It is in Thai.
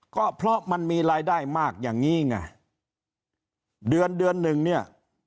ก็เพราะมันมีรายได้มากอย่างนี้ไงเดือนเดือนหนึ่งเนี่ย